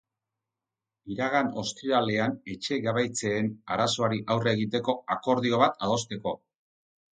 Iragan ostiralean etxegabetzeen arazoari aurre egiteko akordio bat adosteko.